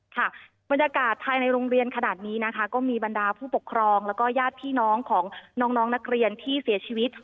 ค่ะบรรยากาศภายในโรงเรียนขนาดนี้นะคะก็มีบรรดาผู้ปกครองแล้วก็ญาติพี่น้องของน้องนักเรียนที่เสียชีวิต